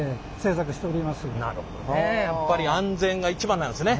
やっぱり安全が一番なんですね。